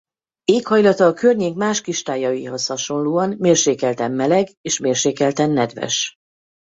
Éghajlata a környék más kistájaihoz hasonlóan mérsékelten meleg és mérsékelten nedves.